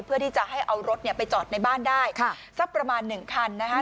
เพื่อที่จะให้เอารถเนี่ยไปจอดในบ้านได้ค่ะสักประมาณหนึ่งคันนะคะ